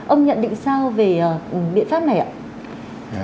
ông nhận định sao về biện pháp này ạ